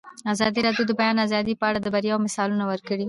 ازادي راډیو د د بیان آزادي په اړه د بریاوو مثالونه ورکړي.